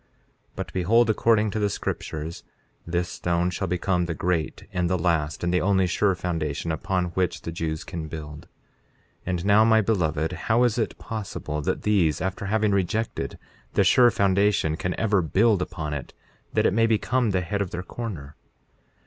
4:16 But behold, according to the scriptures, this stone shall become the great, and the last, and the only sure foundation, upon which the Jews can build. 4:17 And now, my beloved, how is it possible that these, after having rejected the sure foundation, can ever build upon it, that it may become the head of their corner?